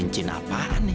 sampai jumpa lagi